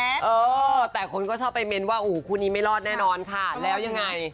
เออแต่คนก็ชอบไปเมนต์ว่าอู๋คู่นี้ไม่รอดแน่นอนค่ะแล้วยังไง